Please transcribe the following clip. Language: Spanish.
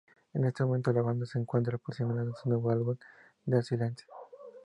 En este momento, la banda se encuentra promocionando su nuevo álbum, Dead Silence.